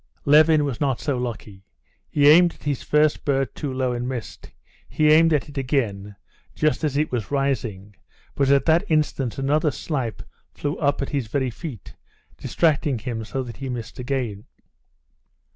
Levin was not so lucky: he aimed at his first bird too low, and missed; he aimed at it again, just as it was rising, but at that instant another snipe flew up at his very feet, distracting him so that he missed again.